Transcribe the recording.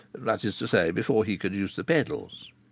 That is to say, before he could use the pedals.